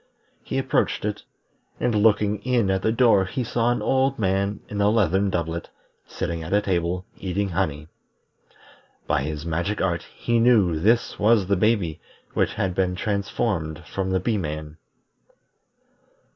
He approached it, and looking in at the door he saw an old man in a leathern doublet, sitting at a table, eating honey. By his magic art he knew this was the baby which had been transformed from the Bee man.